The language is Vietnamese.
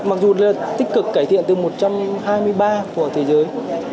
mặc dù là tích cực cải thiện từ một trăm hai mươi ba của thế giới